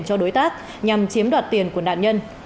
cho đối tác nhằm chiếm đoạt tiền của nạn nhân